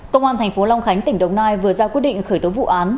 công an tp long khánh tỉnh đồng nai vừa ra quyết định khởi tố vụ án